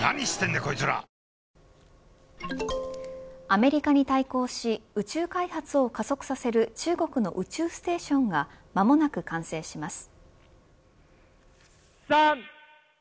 アメリカに対抗し宇宙開発を加速させる中国の宇宙ステーションが間もなく完成します。